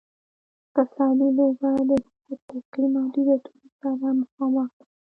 اقتصادي لوبه د حقوقي محدودیتونو سره مخامخ ده.